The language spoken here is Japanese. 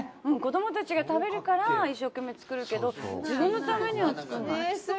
子どもたちが食べるから一生懸命作るけど自分のためには作んない。